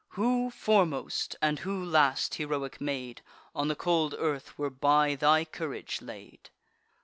Who foremost, and who last, heroic maid, On the cold earth were by thy courage laid?